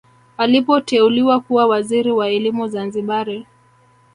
Alipoteuliwa kuwa waziri wa elimu Zanzibari